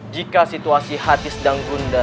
jika situasi hati sedang tunda